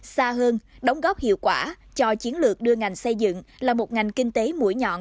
xa hơn đóng góp hiệu quả cho chiến lược đưa ngành xây dựng là một ngành kinh tế mũi nhọn